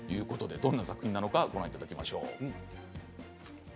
どんな作品かご覧いただきましょう。